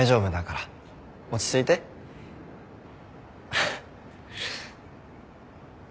ハハッ。